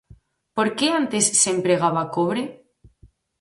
Por que antes se empregaba cobre?